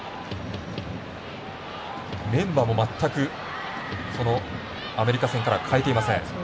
メンバーも全く、アメリカ戦から変えていません。